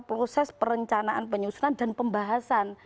proses perencanaan penyusunan dan pembahasan